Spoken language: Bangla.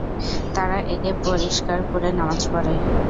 তাঁরা একে পরিষ্কার করে নামাজ পড়ে।